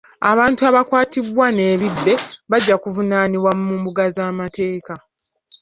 Abantu abakwatibwa n'ebibbe bajja kuvunaanwa mu mbuga z'amateeka .